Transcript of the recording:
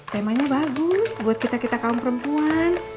temanya bagus buat kita kita kaum perempuan